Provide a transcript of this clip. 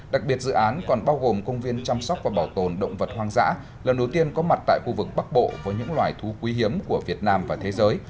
đặc biệt dự án còn bao gồm công viên chăm sóc và bảo tồn động vật hoang dã lần đầu tiên có mặt tại khu vực bắc bộ với những loài thú quý hiếm của việt nam và thế giới